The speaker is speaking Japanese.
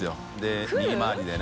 右回りでね。